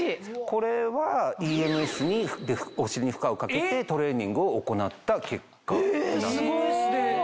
これはＥＭＳでお尻に負荷をかけてトレーニングを行った結果なんですね。